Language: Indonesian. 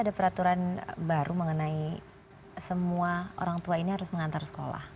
ada peraturan baru mengenai semua orang tua ini harus mengantar sekolah